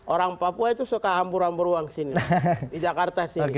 orang papua itu suka hambur hambur uang di jakarta